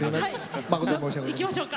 誠に申し訳ございません。